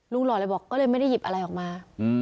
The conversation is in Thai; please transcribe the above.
หล่อเลยบอกก็เลยไม่ได้หยิบอะไรออกมา